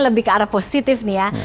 lebih ke arah positif nih ya